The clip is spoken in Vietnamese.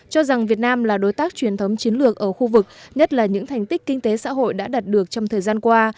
cho rằng việt nam là đối tác truyền thống chiến lược ở khu vực nhất là những thành tích kinh tế xã hội đã đạt được trong thời gian qua